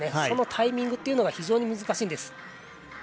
そのタイミングというのが非常に難しいんです。